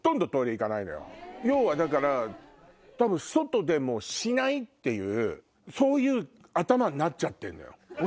だから外でしないっていうそういう頭になっちゃってんのよ。